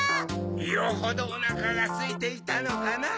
よほどおなかがすいていたのかな？